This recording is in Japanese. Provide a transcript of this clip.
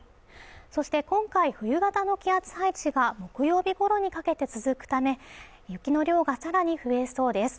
そして今回冬型の気圧配置が木曜日ごろにかけて続くため雪の量がさらに増えそうです